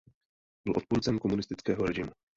Byl odpůrcem komunistického režimu.